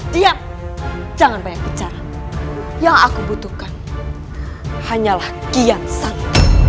tiang jangan banyak bicara yang aku butuhkan hanyalah kian sang